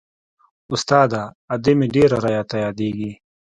استاده ادې مې ډېره رايادېږي.